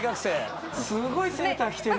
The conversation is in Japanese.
すごいセーター着てる。